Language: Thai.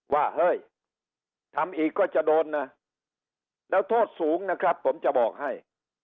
ว่าเฮ้ยทำอีกก็จะโดนนะแล้วโทษสูงนะครับผมจะบอกให้